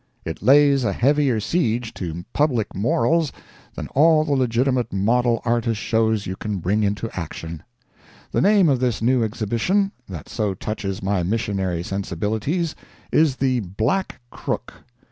It lays a heavier siege to public morals than all the legitimate model artist shows you can bring into action. The name of this new exhibition that so touches my missionary sensibilities, is the "Black Crook."